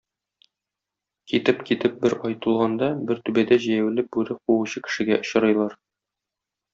Китеп-китеп бер ай тулганда, бер түбәдә җәяүле бүре куучы кешегә очрыйлар.